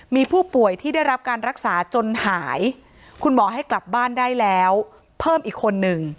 มีผู้ป่วยที่ได้รับการรักษาจนหายคุณหมอให้กลับบ้านได้แล้วเพิ่มอีกคนนึง